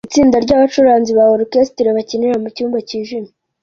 Itsinda ryabacuranzi ba orchestre bakinira mucyumba cyijimye